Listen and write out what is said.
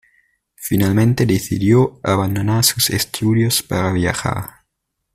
Finalmente decidió abandonar sus estudios para viajar.